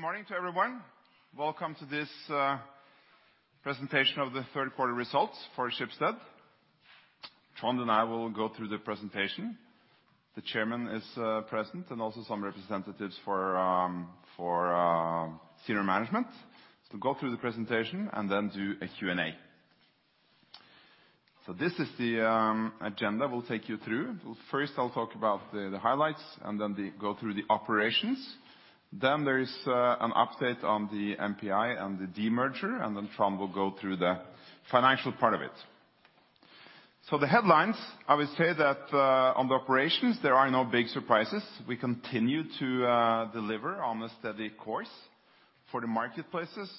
Good morning to everyone. Welcome to this presentation of the third quarter results for Schibsted. Trond and I will go through the presentation. The chairman is present and also some representatives for senior management. Go through the presentation and then do a Q&A. This is the agenda we'll take you through. First I'll talk about the highlights and then go through the operations. Then there is an update on the MPI and the de-merger, and then Trond will go through the financial part of it. The headlines, I would say that on the operations, there are no big surprises. We continue to deliver on the steady course for the marketplaces.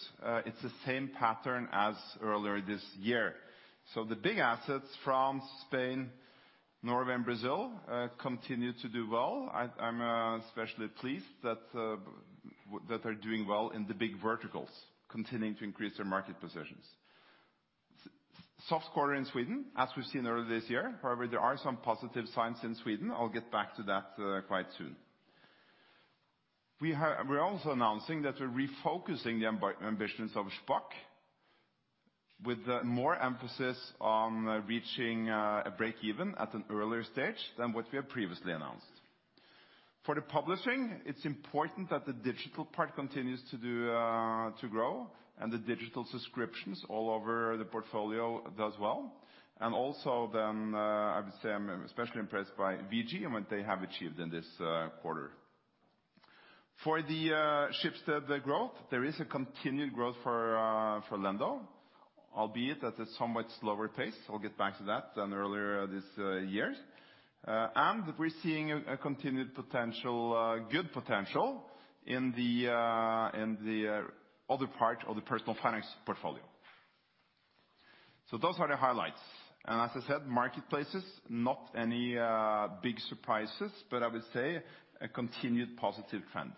It's the same pattern as earlier this year. The big assets, France, Spain, Norway, and Brazil continue to do well. I'm especially pleased that they're doing well in the big verticals, continuing to increase their market positions. Soft quarter in Sweden, as we've seen earlier this year. However, there are some positive signs in Sweden. I'll get back to that quite soon. We're also announcing that we're refocusing the ambitions of SPAAC with more emphasis on reaching a break even at an earlier stage than what we have previously announced. For the publishing, it's important that the digital part continues to grow and the digital subscriptions all over the portfolio does well. I would say I'm especially impressed by VG and what they have achieved in this quarter. For the Schibsted Growth, there is a continued growth for Lendo, albeit at a somewhat slower pace. I'll get back to that. Earlier this year. We're seeing a continued good potential in the other part of the Personal Finance portfolio. Those are the highlights. As I said, marketplaces, not any big surprises, but I would say a continued positive trend.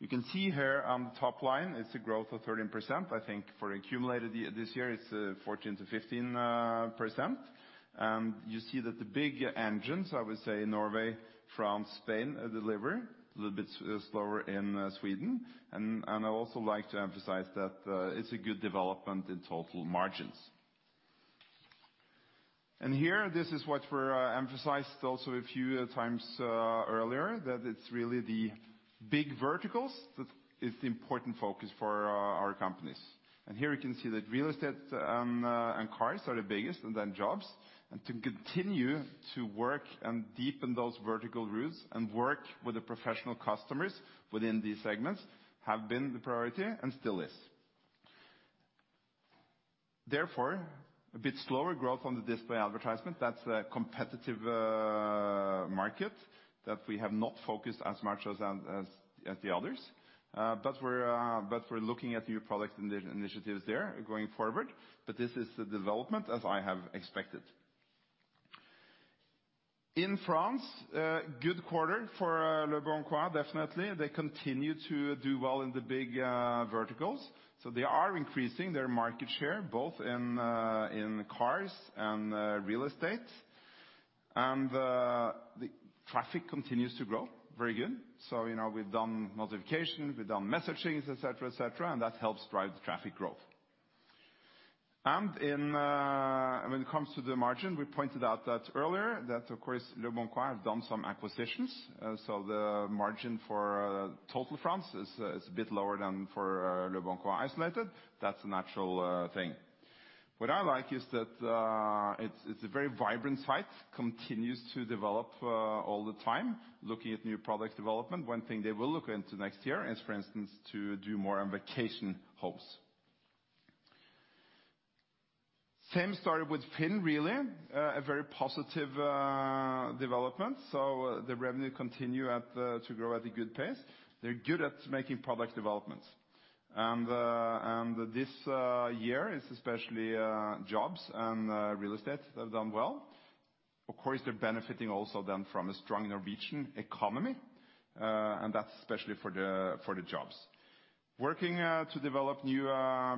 You can see here on the top line it's a growth of 13%. I think for accumulated year, this year it's 14%-15%. You see that the big engines, I would say Norway, France, Spain, deliver. A little bit slower in Sweden. I also like to emphasize that it's a good development in total margins. Here, this is what we're emphasized also a few times earlier, that it's really the big verticals that is the important focus for our companies. Here you can see that real estate and cars are the biggest and then jobs. To continue to work and deepen those vertical roots and work with the professional customers within these segments have been the priority and still is. Therefore, a bit slower growth on the display advertisement. That's a competitive market that we have not focused as much as the others. But we're looking at new products and initiatives there going forward. This is the development as I have expected. In France, good quarter for leboncoin, definitely. They continue to do well in the big verticals, so they are increasing their market share both in cars and real estate. The traffic continues to grow. Very good. You know, we've done modifications, we've done messagings, et cetera, et cetera, and that helps drive the traffic growth. In, when it comes to the margin, we pointed out that earlier, that of course, leboncoin have done some acquisitions. The margin for total France is a bit lower than for leboncoin isolated. That's a natural thing. What I like is that it's a very vibrant site. Continues to develop all the time. Looking at new product development, one thing they will look into next year is, for instance, to do more on vacation homes. Same story with Finn, really. A very positive development. The revenue continue at to grow at a good pace. They're good at making product developments. This year is especially jobs and real estate have done well. Of course, they're benefiting also then from a strong Norwegian economy, and that's especially for the jobs. Working to develop new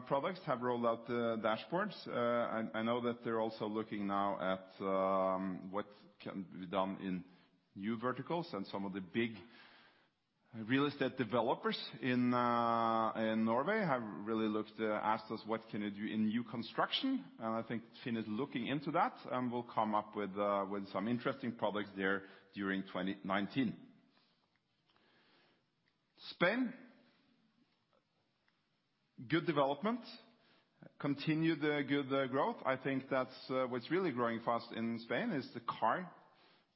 products have rolled out the dashboards. I know that they're also looking now at what can be done in new verticals and some of the big real estate developers in Norway have really looked asked us what can you do in new construction. I think FINN.no is looking into that and will come up with some interesting products there during 2019. Spain. Good development. Continue the good growth. I think that's what's really growing fast in Spain is the car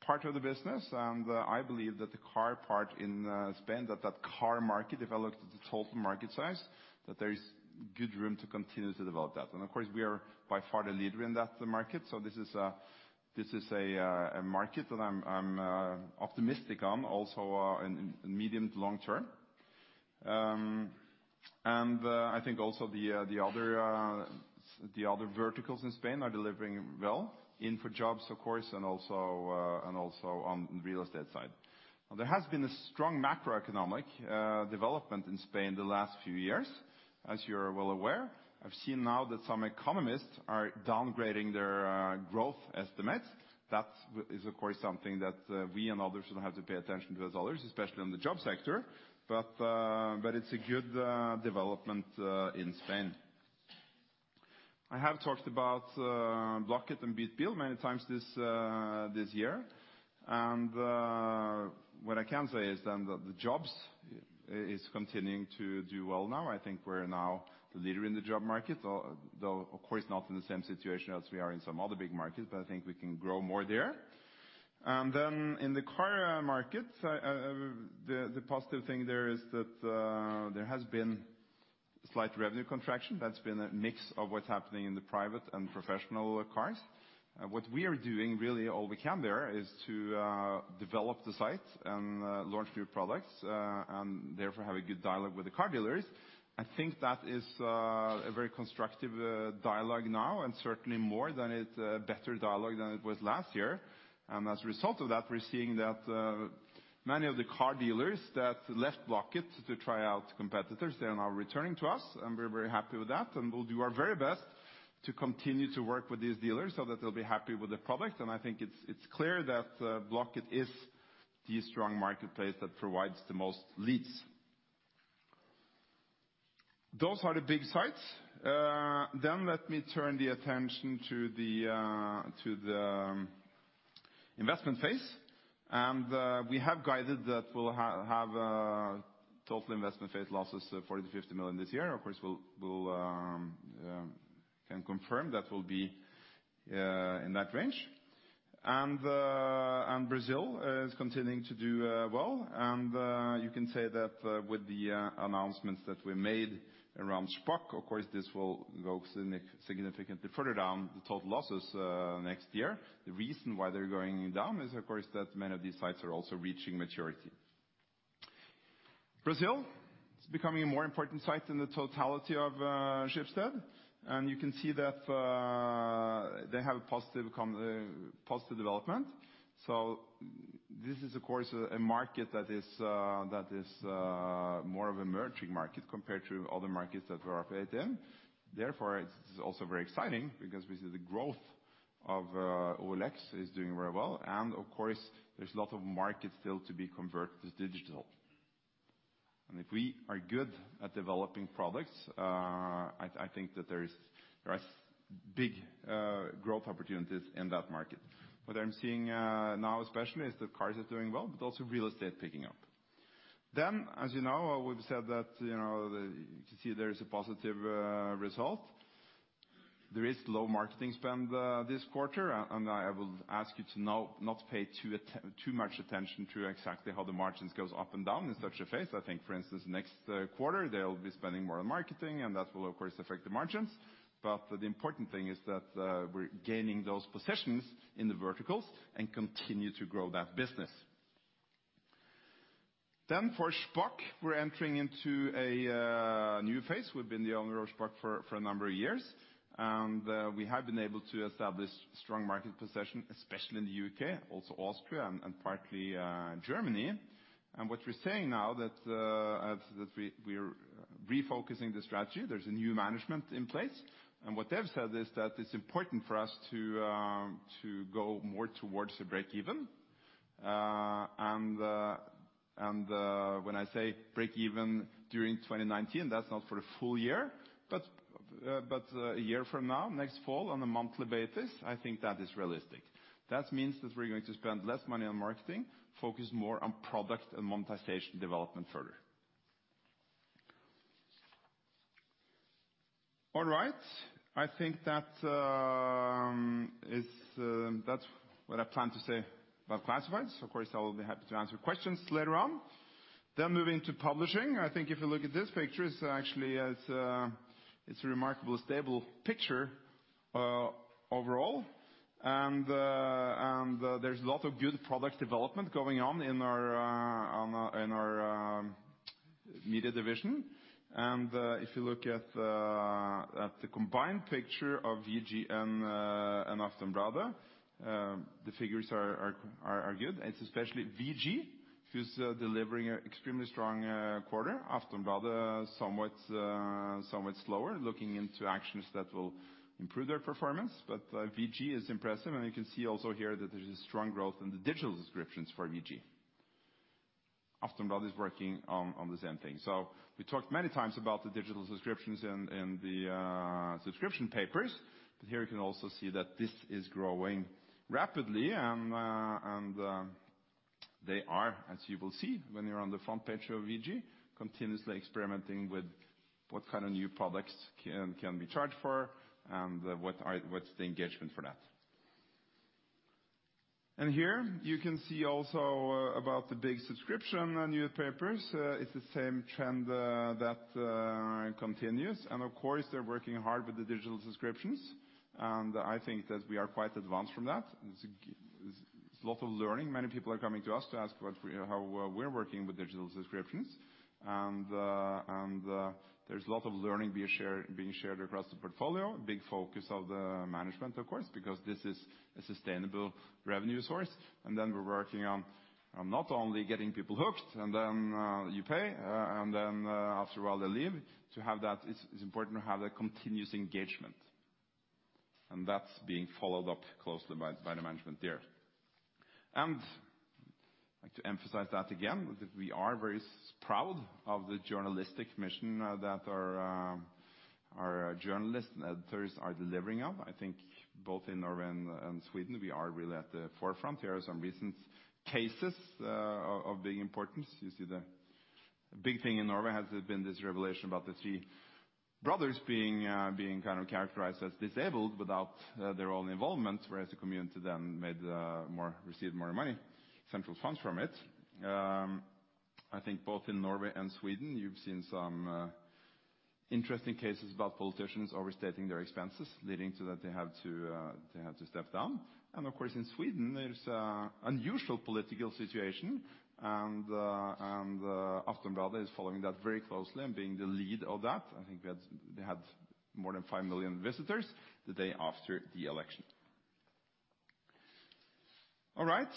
part of the business, I believe that the car part in Spain, that car market developed the total market size, that there is good room to continue to develop that. Of course, we are by far the leader in that market. This is a market that I'm optimistic on also in medium to long term. I think also the other verticals in Spain are delivering well. InfoJobs, of course, and also on the real estate side. There has been a strong macroeconomic development in Spain the last few years. As you're well aware, I've seen now that some economists are downgrading their growth estimates. That is, of course, something that we and others will have to pay attention to as others, especially in the job sector. It's a good development in Spain. I have talked about Blocket and Bytbil many times this year. What I can say is then that the jobs is continuing to do well now. I think we're now the leader in the job market, though, of course, not in the same situation as we are in some other big markets, but I think we can grow more there. In the car market, the positive thing there is that there has been slight revenue contraction. That's been a mix of what's happening in the private and professional cars. What we are doing, really all we can there, is to develop the site and launch new products, and therefore have a good dialogue with the car dealers. I think that is a very constructive dialogue now, and certainly more than it better dialogue than it was last year. As a result of that, we're seeing that many of the car dealers that left Blocket to try out competitors, they are now returning to us, and we're very happy with that. We'll do our very best to continue to work with these dealers so that they'll be happy with the product. I think it's clear that Blocket is the strong marketplace that provides the most leads. Those are the big sites. Then let me turn the attention to the investment phase. We have guided that we'll have total investment phase losses of 40 million-50 million this year. Of course, we'll can confirm that will be in that range. Brazil is continuing to do well. You can say that with the announcements that we made around Shpock, of course, this will go significantly further down the total losses next year. The reason why they're going down is, of course, that many of these sites are also reaching maturity. Brazil is becoming a more important site in the totality of Schibsted, and you can see that they have a positive development. This is, of course, a market that is more of a emerging market compared to other markets that we operate in. Therefore, it's also very exciting because we see the growth of OLX is doing very well and, of course, there's a lot of markets still to be converted to digital. If we are good at developing products, I think that there is, there is big growth opportunities in that market. What I'm seeing now especially is that cars are doing well, but also real estate picking up. As you know, we've said that, you know, you can see there is a positive result. There is low marketing spend this quarter. I will ask you to now not pay too much attention to exactly how the margins goes up and down in such a phase. I think, for instance, next quarter, they'll be spending more on marketing. That will, of course, affect the margins. The important thing is that we're gaining those positions in the verticals and continue to grow that business. For Shpock, we're entering into a new phase. We've been the owner of Shpock for a number of years, and we have been able to establish strong market position, especially in the UK, also Austria, and partly Germany. What we're saying now that we're refocusing the strategy, there's a new management in place. What they've said is that it's important for us to go more towards the break even. And when I say break even during 2019, that's not for the full year, but a year from now, next fall, on a monthly basis, I think that is realistic. That means that we're going to spend less money on marketing, focus more on product and monetization development further. All right. I think that is that's what I plan to say about classifieds. Of course, I will be happy to answer questions later on. Moving to publishing. I think if you look at this picture, it's actually, it's a remarkably stable picture overall. There's a lot of good product development going on in our on in our media division. If you look at the combined picture of VG and Aftenbladet, the figures are good. It's especially VG who's delivering extremely strong quarter. Aftenbladet somewhat slower, looking into actions that will improve their performance. VG is impressive, and you can see also here that there's a strong growth in the digital subscriptions for VG. Aftenbladet is working on the same thing. We talked many times about the digital subscriptions in the subscription papers. Here you can also see that this is growing rapidly and they are, as you will see when you're on the front page of VG, continuously experimenting with what kind of new products can be charged for and what's the engagement for that. Here you can see also about the big subscription newspapers. It's the same trend that continues. Of course, they're working hard with the digital subscriptions. I think that we are quite advanced from that. There's a lot of learning. Many people are coming to us to ask what we, how well we're working with digital subscriptions. There's a lot of learning being shared across the portfolio. Big focus of the management, of course, because this is a sustainable revenue source. We're working on not only getting people hooked, then you pay, then after a while they leave. To have that, it's important to have that continuous engagement. That's being followed up closely by the management there. I'd like to emphasize that again, that we are very proud of the journalistic mission that our journalists and editors are delivering on. I think both in Norway and Sweden, we are really at the forefront. There are some recent cases of big importance. You see the big thing in Norway has been this revelation about the three brothers being kind of characterized as disabled without their own involvement, whereas the community then received more money, central funds from it. I think both in Norway and Sweden, you've seen some interesting cases about politicians overstating their expenses, leading to that they have to step down. Of course, in Sweden, there's a unusual political situation and Aftonbladet is following that very closely and being the lead of that. I think they had more than five million visitors the day after the election. All right.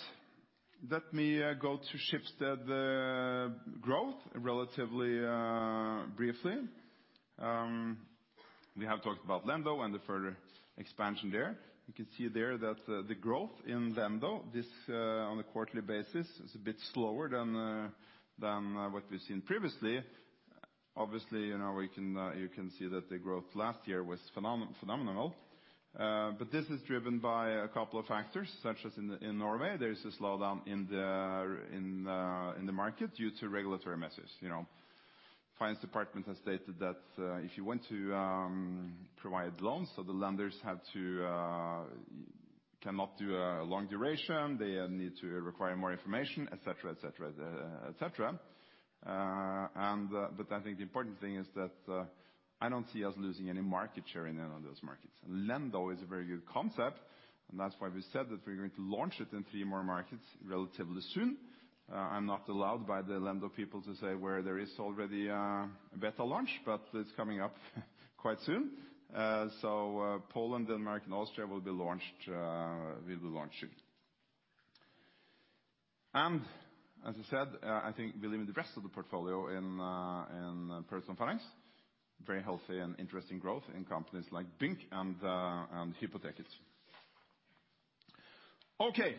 Let me go to Schibsted Growth relatively briefly. We have talked about Lendo and the further expansion there. You can see there that the growth in Lendo, this, on a quarterly basis is a bit slower than what we've seen previously. Obviously, you know, we can, you can see that the growth last year was phenomenal. This is driven by a couple of factors, such as in Norway, there is a slowdown in the market due to regulatory measures. You know, finance department has stated that if you want to provide loans, so the lenders have to cannot do a long duration, they need to require more information, et cetera, et cetera, et cetera. But I think the important thing is that I don't see us losing any market share in any of those markets. Lendo is a very good concept. That's why we said that we're going to launch it in three more markets relatively soon. I'm not allowed by the Lendo people to say where there is already a better launch. It's coming up quite soon. Poland, Denmark, and Austria will be launching. As I said, I think within the rest of the portfolio in Personal Finance, very healthy and interesting growth in companies like Bynk and Hypoteket. Okay.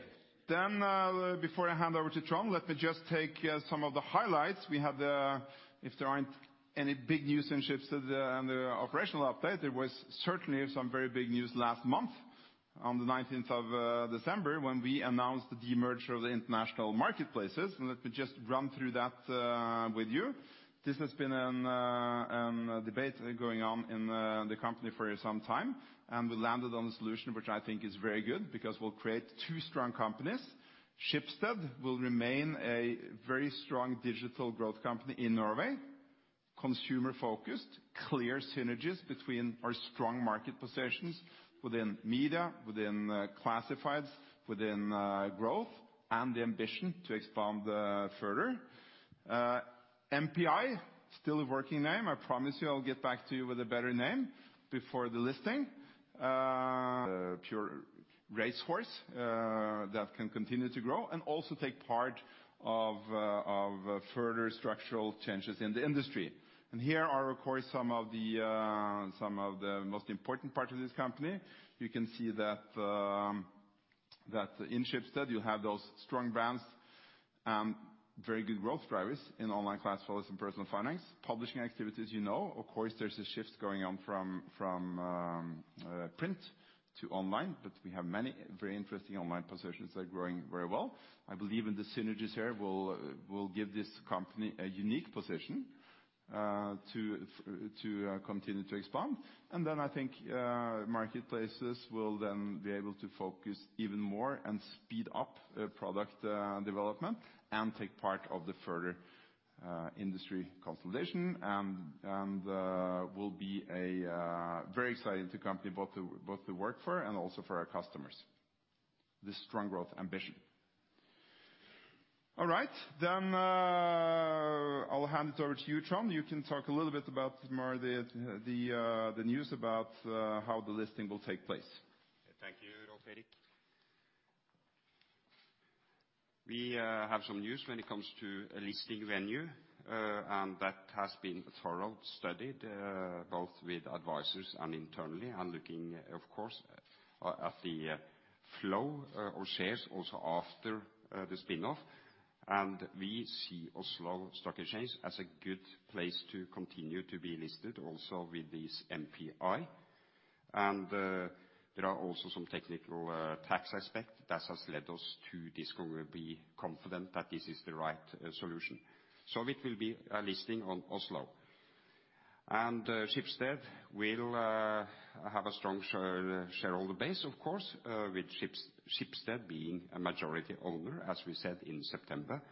Before I hand over to Trond, let me just take some of the highlights. If there aren't any big news in Schibsted and the operational update, there was certainly some very big news last month on the 19th of December when we announced the demerger of the international marketplaces. Let me just run through that with you. This has been a debate going on in the company for some time, we landed on a solution which I think is very good because we'll create two strong companies. Schibsted will remain a very strong digital growth company in Norway, consumer-focused, clear synergies between our strong market positions within media, within classifieds, within growth, and the ambition to expand further. MPI, still a working name, I promise you I'll get back to you with a better name before the listing. Pure racehorse that can continue to grow and also take part of further structural changes in the industry. Here are, of course, some of the most important parts of this company. You can see that in Schibsted, you have those strong brands and very good growth drivers in online classifieds and Personal Finance. Publishing activities, you know. Of course, there's a shift going on from print to online, but we have many very interesting online positions that are growing very well. I believe in the synergies here will give this company a unique position to continue to expand. I think marketplaces will then be able to focus even more and speed up product development and take part of the further industry consolidation and will be a very exciting company both to work for and also for our customers. The strong growth ambition. All right, I'll hand it over to you, Trond. You can talk a little bit about more the news about how the listing will take place. Thank you, Rolv Erik. We have some news when it comes to a listing venue, and that has been thoroughly studied, both with advisors and internally and looking, of course, at the flow or shares also after the spin-off. We see Oslo Stock Exchange as a good place to continue to be listed also with this MPI. There are also some technical tax aspect that has led us to this, gonna be confident that this is the right solution. It will be a listing on Oslo. Schibsted will have a strong shareholder base, of course, with Schibsted being a majority owner, as we said in September.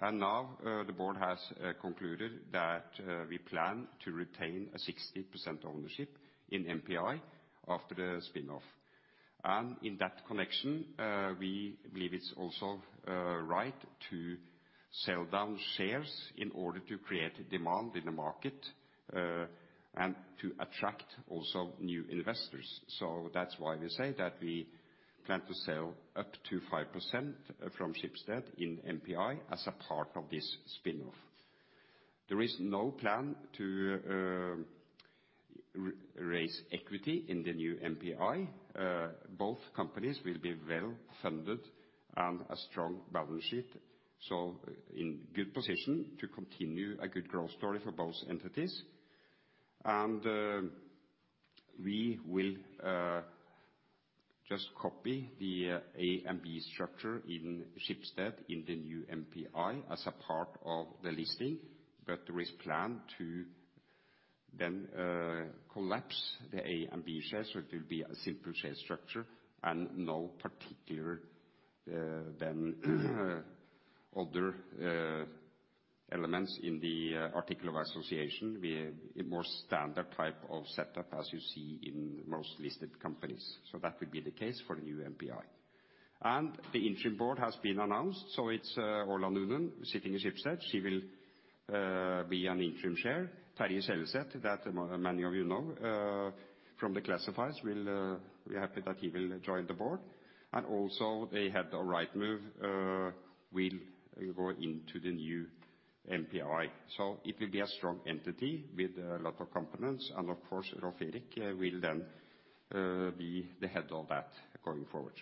Now, the board has concluded that we plan to retain a 60% ownership in MPI after the spin-off. In that connection, we believe it's also right to sell down shares in order to create demand in the market and to attract also new investors. That's why we say that we plan to sell up to 5% from Schibsted in MPI as a part of this spin-off. There is no plan to raise equity in the new MPI. Both companies will be well-funded and a strong balance sheet, so in good position to continue a good growth story for both entities. We will just copy the A and B structure in Schibsted in the new MPI as a part of the listing, but there is plan to then collapse the A and B shares, so it will be a simple share structure and no particular then other elements in the Articles of Association. Be a more standard type of setup as you see in most listed companies. That will be the case for the new MPI. The interim board has been announced, it's Orla Noonan sitting in Schibsted. She will be an interim chair. Terje Seljeseth, that many of you know, from the classifieds, we'll be happy that he will join the board. Also the head of Rightmove will go into the new MPI. It will be a strong entity with a lot of competence, and of course Rolv Erik will then be the head of that going forward.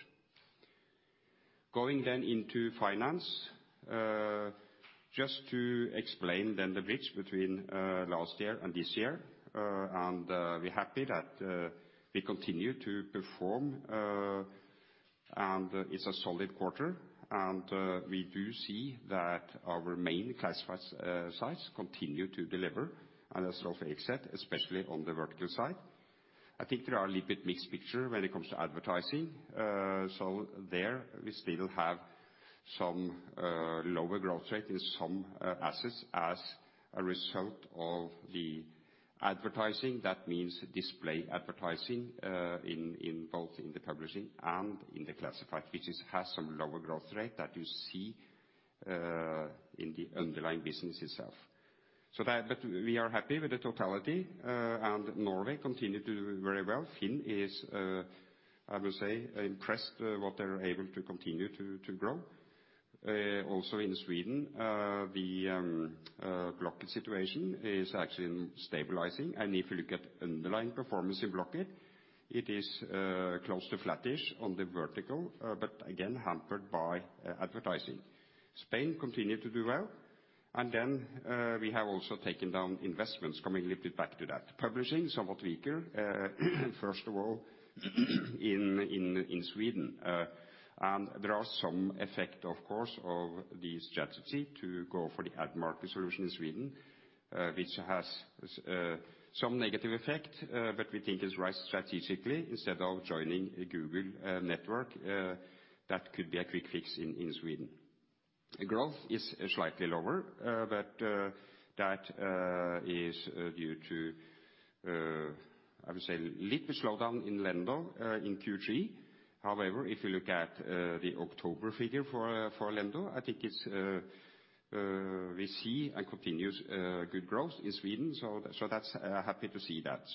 Into finance, just to explain then the bridge between last year and this year. We're happy that we continue to perform, and it's a solid quarter. We do see that our main classifieds sites continue to deliver, and as Rolv Erik Ryssdal said, especially on the vertical side. I think there are a little bit mixed picture when it comes to advertising. There we still have some lower growth rate in some assets as a result of the advertising. That means display advertising, in both in the publishing and in the classified, which is, has some lower growth rate that you see in the underlying business itself. We are happy with the totality, and Norway continued to do very well. FINN.no is, I would say, impressed what they're able to continue to grow. Also in Sweden, the Blocket situation is actually stabilizing. If you look at underlying performance in Blocket, it is close to flattish on the vertical, but again hampered by advertising. Spain continued to do well. We have also taken down investments, coming a little bit back to that. Publishing, somewhat weaker, first of all, in Sweden. There are some effect of course of the strategy to go for the ad market solution in Sweden, which has some negative effect, but we think is right strategically instead of joining a Google network, that could be a quick fix in Sweden. The growth is slightly lower, but that is due to I would say little bit slowdown in Lendo in Q3. However, if you look at the October figure for Lendo, I think it's, we see a continuous good growth in Sweden. That's happy to see that.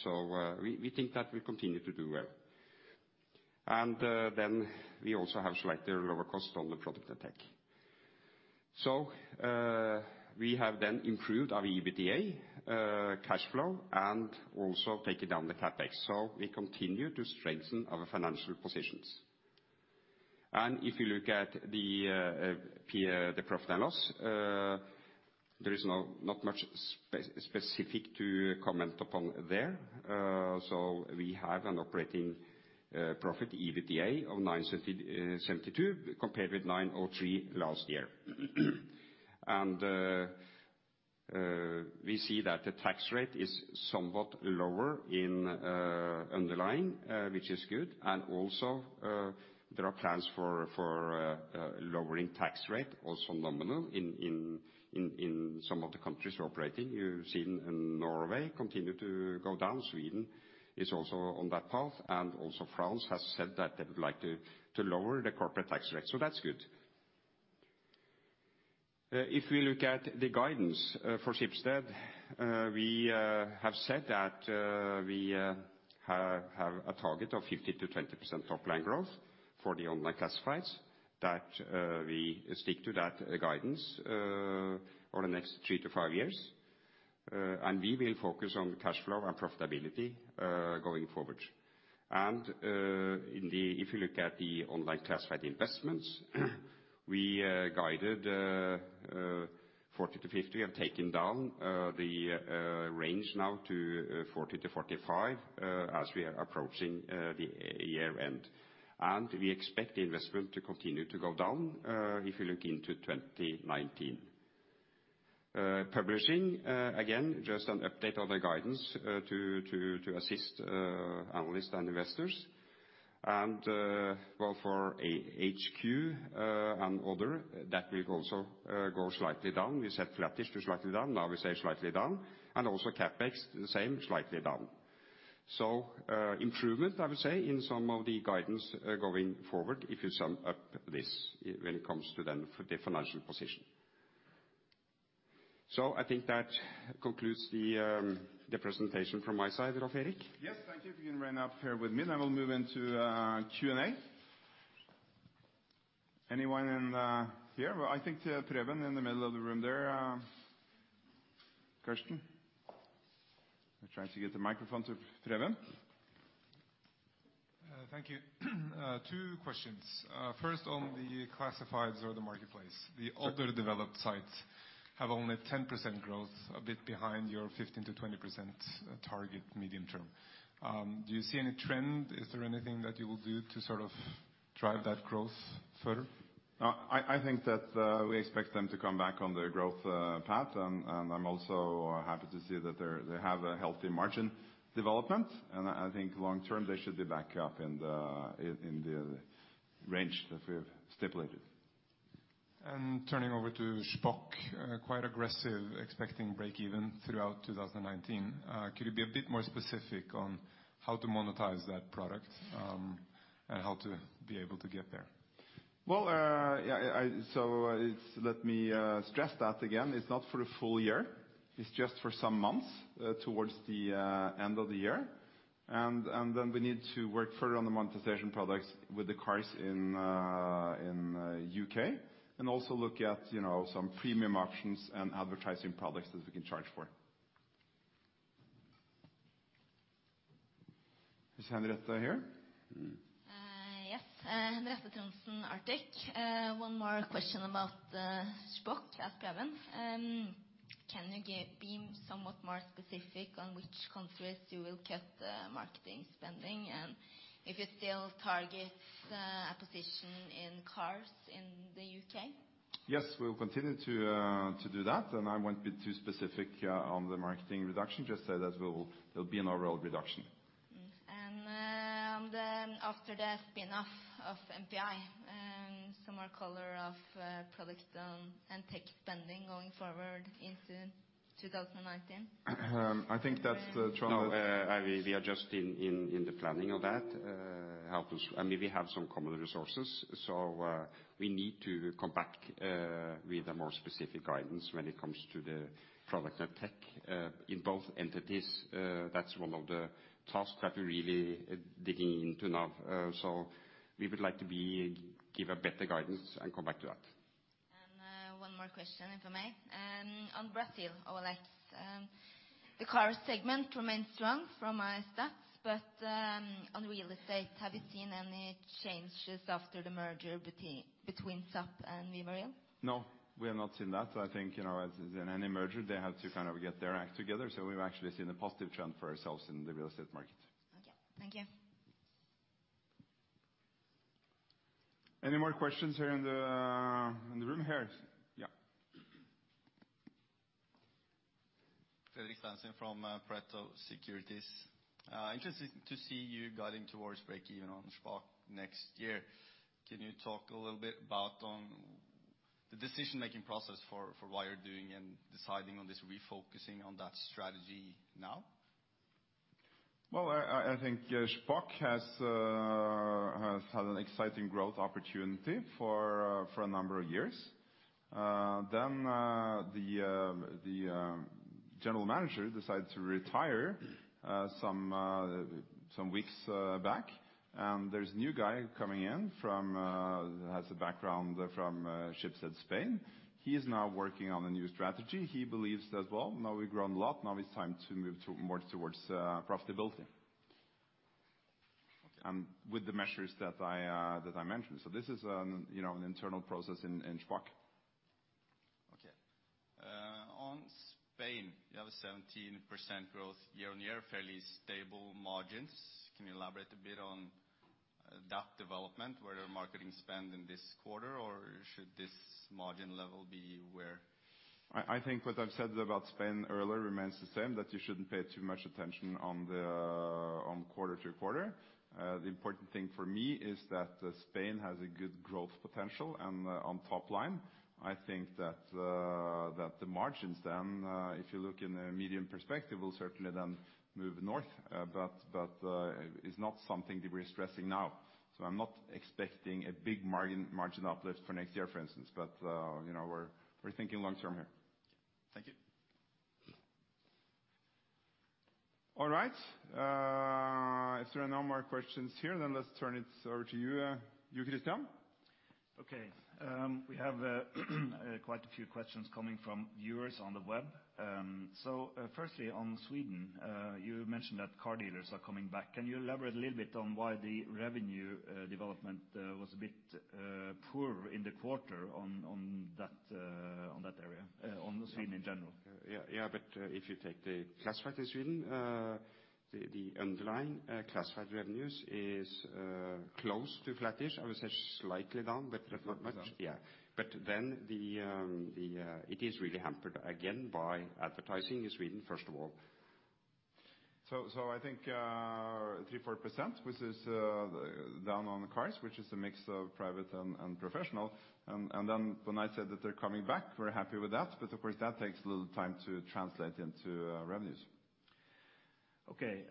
We think that will continue to do well. We also have slightly lower cost on the product and tech. We have then improved our EBITDA cash flow and also taken down the CapEx. We continue to strengthen our financial positions. If you look at the profit and loss, there is not much specific to comment upon there. We have an operating profit EBITDA of 972 compared with 903 last year. We see that the tax rate is somewhat lower in underlying, which is good. There are plans for lowering tax rate, also nominal in some of the countries we're operating. You've seen in Norway continue to go down. Sweden is also on that path. France has said that they would like to lower the corporate tax rate. That's good. If we look at the guidance for Schibsted, we have said that we have a target of 15%-20% top line growth for the online classifieds, that we stick to that guidance over the next 3-5 years. We will focus on cash flow and profitability going forward. If you look at the online classified investments, we guided 40-50. We have taken down the range now to 40-45 as we are approaching the year-end. We expect the investment to continue to go down if you look into 2019. Publishing, again, just an update on the guidance to assist analysts and investors. Well, for a HQ and other, that will also go slightly down. We said flattish to slightly down. Now we say slightly down. Also CapEx, the same, slightly down. Improvement, I would say, in some of the guidance going forward, if you sum up this when it comes to then the financial position. I think that concludes the presentation from my side. Rolv Erik? Yes, thank you. You can run up here with me and I will move into Q&A. Anyone in here? Well, I think Pavan in the middle of the room there, question? We're trying to get the microphone to Pavan. Thank you. 2 questions. First on the classifieds or the marketplace. Sure. The other developed sites have only 10% growth, a bit behind your 15%-20% target medium term. Do you see any trend? Is there anything that you will do to sort of drive that growth further? I think that we expect them to come back on their growth path and I'm also happy to see that they have a healthy margin development. I think long term they should be back up in the range that we've stipulated. Turning over to Shpock, quite aggressive expecting break even throughout 2019. Could you be a bit more specific on how to monetize that product, and how to be able to get there? Well, yeah, so it's let me stress that again. It's not for a full year. It's just for some months towards the end of the year. We need to work further on the monetization products with the cars in U.K. Also look at, you know, some premium options and advertising products that we can charge for. Is Henrietta here? Yes. Henriette Trondsen, Arctic Securities. One more question about Shpock. That's Pavan. Can you be somewhat more specific on which countries you will cut the marketing spending, and if it still targets a position in cars in the U.K.? Yes, we will continue to do that. I won't be too specific on the marketing reduction. Just say that we will, there'll be an overall reduction. After the spin off of MPI and some more color of product and tech spending going forward into 2019. I think that's No, I mean, we are just in the planning of that. Help us... I mean, we have some common resources, so we need to come back with a more specific guidance when it comes to the product and tech in both entities. That's one of the tasks that we're really digging into now. We would like to give a better guidance and come back to that. One more question, if I may. On Brazil, OLX, the car segment remains strong from my stats, but on real estate, have you seen any changes after the merger between Subito and Vibbo? No, we have not seen that. I think, you know, as in any merger, they have to kind of get their act together. We've actually seen a positive trend for ourselves in the real estate market. Okay. Thank you. Any more questions here in the room here? Yeah. Fredrik Stene from Pareto Securities. Interesting to see you guiding towards breakeven on Shpock next year. Can you talk a little bit about the decision-making process for why you're doing and deciding on this refocusing on that strategy now? Well, I think Shpock has had an exciting growth opportunity for a number of years. The general manager decided to retire some weeks back. There's a new guy coming in from has a background from Schibsted Spain. He is now working on a new strategy. He believes that, well, now we've grown a lot, now it's time to move through, more towards profitability. Okay. With the measures that I mentioned. This is, you know, an internal process in Shpock. Okay. On Spain, you have a 17% growth year-over-year, fairly stable margins. Can you elaborate a bit on that development? Were there marketing spend in this quarter, or should this margin level be where? I think what I've said about Spain earlier remains the same, that you shouldn't pay too much attention on the on quarter to quarter. The important thing for me is that Spain has a good growth potential and on top line, I think that that the margins then if you look in the medium perspective, will certainly then move north. It's not something that we're stressing now. I'm not expecting a big margin uplift for next year, for instance. You know, we're thinking long term here. Thank you. All right. If there are no more questions here, then let's turn it over to you, Christian. Okay. We have quite a few questions coming from viewers on the web. Firstly, on Sweden, you mentioned that car dealers are coming back. Can you elaborate a little bit on why the revenue development was a bit poor in the quarter on that area, on Sweden in general? Yeah. If you take the classified in Sweden, the underlying classified revenues is close to flattish. I would say slightly down, but not much. Down. Yeah. It is really hampered again by advertising in Sweden, first of all. I think 3%, 4% which is down on the cars, which is a mix of private and professional. When I said that they're coming back, we're happy with that. Of course, that takes a little time to translate into revenues. Okay.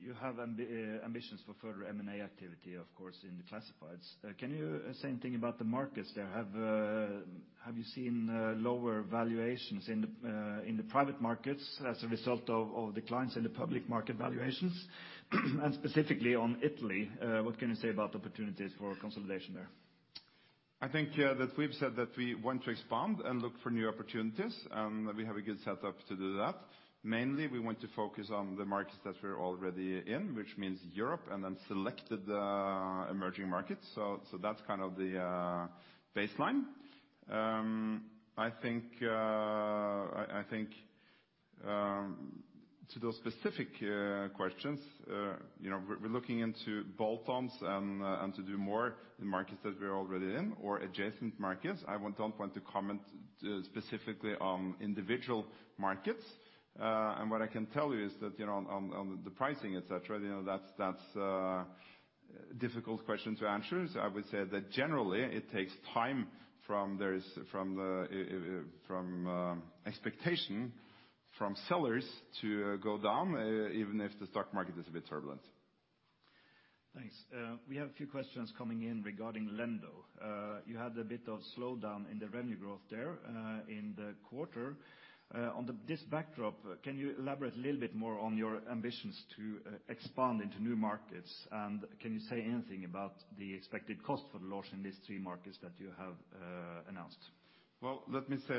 You have ambitions for further M&A activity, of course, in the classifieds. Can you say anything about the markets there? Have you seen lower valuations in the private markets as a result of declines in the public market valuations? Specifically on Italy, what can you say about opportunities for consolidation there? I think that we've said that we want to expand and look for new opportunities, and that we have a good set-up to do that. Mainly, we want to focus on the markets that we're already in, which means Europe and then selected emerging markets. That's kind of the baseline. I think to those specific questions, you know, we're looking into bolt-ons and to do more in markets that we're already in or adjacent markets. I don't want to comment specifically on individual markets. And what I can tell you is that, you know, on the pricing, et cetera, you know, that's a difficult question to answer. I would say that generally it takes time from expectation from sellers to go down even if the stock market is a bit turbulent. Thanks. We have a few questions coming in regarding Lendo. You had a bit of slowdown in the revenue growth there in the quarter. On this backdrop, can you elaborate a little bit more on your ambitions to expand into new markets? Can you say anything about the expected cost for the launch in these three markets that you have announced? Well, let me say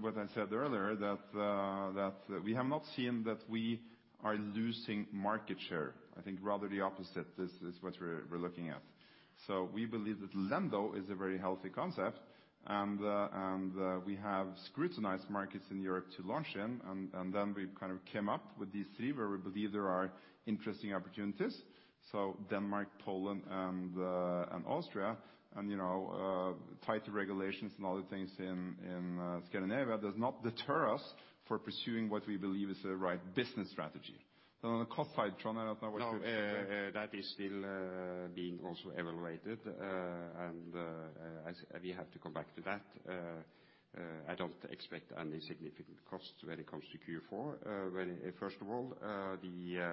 what I said earlier that we have not seen that we are losing market share. I think rather the opposite is what we're looking at. We believe that Lendo is a very healthy concept. We have scrutinized markets in Europe to launch in, and then we've kind of came up with these three where we believe there are interesting opportunities. Denmark, Poland, and Austria. You know, tighter regulations and other things in Scandinavia does not deter us for pursuing what we believe is the right business strategy. On the cost side, Trond, I don't know what. No, that is still being also evaluated. As we have to come back to that, I don't expect any significant costs when it comes to Q4. First of all, the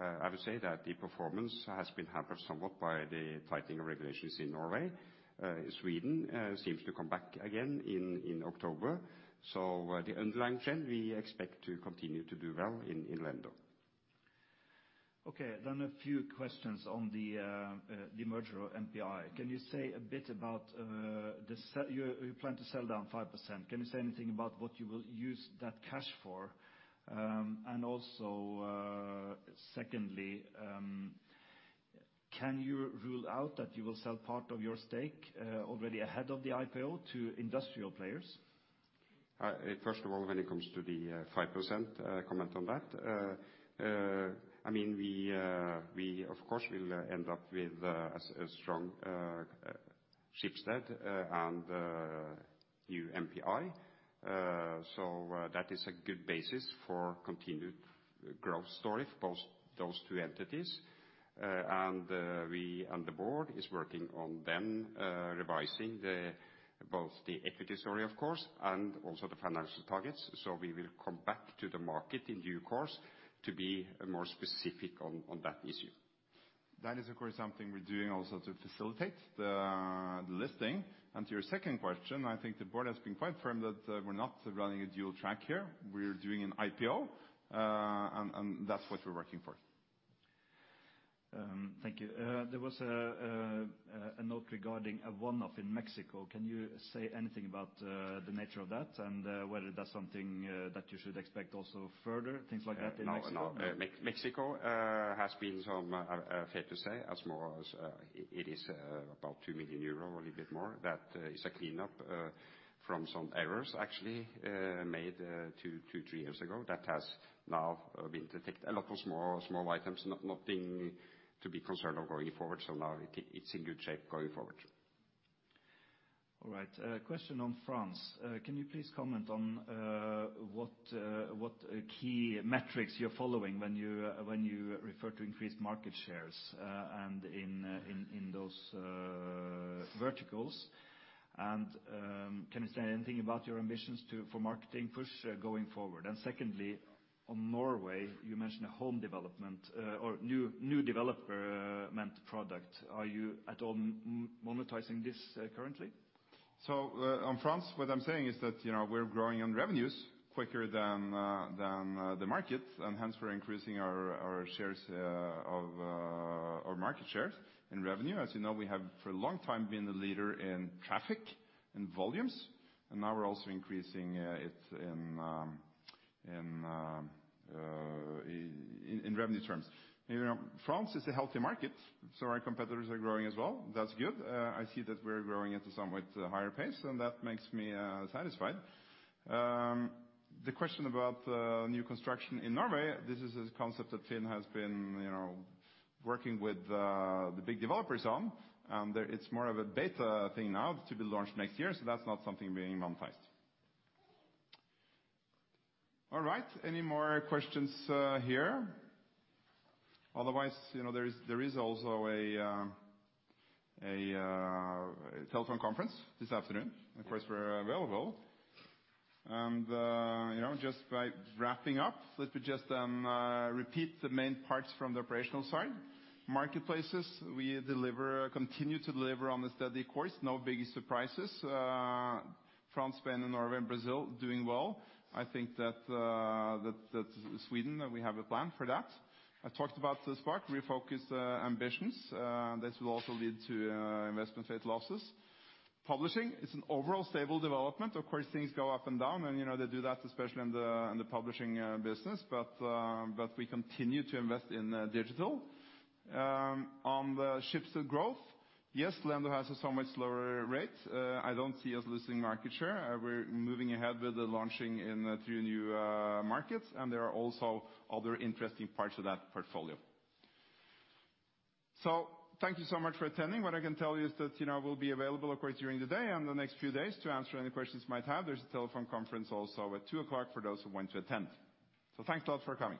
I would say that the performance has been hampered somewhat by the tightening of regulations in Norway. Sweden seems to come back again in October. The underlying trend, we expect to continue to do well in Lendo. Okay. A few questions on the merger of MPI. Can you say a bit about You plan to sell down 5%. Can you say anything about what you will use that cash for? Also, secondly, can you rule out that you will sell part of your stake already ahead of the IPO to industrial players? First of all, when it comes to the 5% comment on that, I mean, we of course will end up with a strong Schibsted and new MPI. That is a good basis for continued growth story for those two entities. We and the board is working on then revising the both the equity story of course, and also the financial targets. We will come back to the market in due course to be more specific on that issue. That is of course something we're doing also to facilitate the listing. To your second question, I think the board has been quite firm that we're not running a dual track here. We're doing an IPO, and that's what we're working for. Thank you. There was a note regarding a one-off in Mexico. Can you say anything about the nature of that and whether that's something that you should expect also further, things like that in Mexico? No, no. Mexico has been some, fair to say, as small as it is, about 2 million euro, a little bit more. That is a cleanup from some errors actually made two, three years ago that has now been detected. A lot of small items. Nothing to be concerned of going forward. Now it's in good shape going forward. All right. Question on France. Can you please comment on what key metrics you're following when you refer to increased market shares in those verticals? Can you say anything about your ambitions for marketing push going forward? Secondly, on Norway, you mentioned a home development or new development product. Are you at all monetizing this currently? On France, what I'm saying is that, you know, we're growing on revenues quicker than the market. Hence we're increasing our shares of our market shares in revenue. As you know, we have for a long time been the leader in traffic and volumes, and now we're also increasing it in revenue terms. You know, France is a healthy market, our competitors are growing as well. That's good. I see that we're growing at a somewhat higher pace, and that makes me satisfied. The question about new construction in Norway, this is a concept that FINN.no has been, you know, working with the big developers on. There it's more of a beta thing now to be launched next year, that's not something being monetized. All right. Any more questions here? Otherwise, you know, there is also a telephone conference this afternoon. Of course, we're available. You know, just by wrapping up, let me just repeat the main parts from the operational side. Marketplaces, we deliver, continue to deliver on a steady course. No big surprises. France, Spain, and Norway and Brazil doing well. I think that Sweden, we have a plan for that. I talked about the Spark refocused ambitions. This will also lead to investment-led losses. Publishing is an overall stable development. Of course, things go up and down and, you know, they do that especially in the publishing business. But we continue to invest in digital. On the Schibsted Growth, yes, Lendo has a somewhat slower rate. I don't see us losing market share. We're moving ahead with the launching in three new markets, and there are also other interesting parts of that portfolio. Thank you so much for attending. What I can tell you is that, you know, we'll be available of course during the day and the next few days to answer any questions you might have. There's a telephone conference also at 2:00 P.M. for those who want to attend. Thanks a lot for coming.